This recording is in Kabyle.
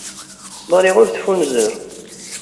Marie ur teffunzer.